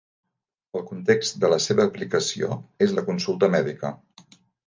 El context de la seva aplicació és la consulta mèdica.